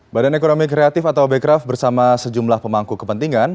badan ekonomi kreatif atau bekraf bersama sejumlah pemangku kepentingan